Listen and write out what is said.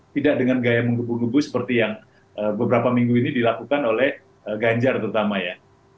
tidak dengan gaya menggubu gubu seperti yang beberapa minggu ini dilakukan oleh ganjar terutama ya